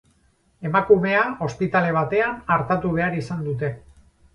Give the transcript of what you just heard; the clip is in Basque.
Emakumea ospitale batean artatu behar izan dute.